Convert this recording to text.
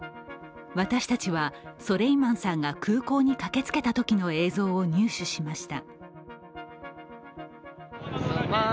私たちはソレイマンさんが空港にかけつけたときの映像を入手しました。